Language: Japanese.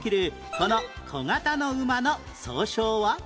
この小型の馬の総称は？